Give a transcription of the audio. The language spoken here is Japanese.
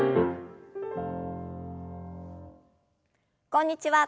こんにちは。